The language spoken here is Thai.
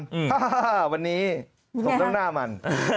อ่าวันนี้ผมต้องหน้ามัน